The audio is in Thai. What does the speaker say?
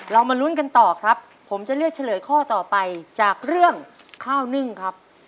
มาลุ้นกันต่อครับผมจะเลือกเฉลยข้อต่อไปจากเรื่องข้าวนึ่งครับ